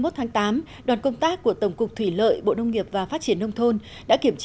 hai mươi một tháng tám đoàn công tác của tổng cục thủy lợi bộ nông nghiệp và phát triển nông thôn đã kiểm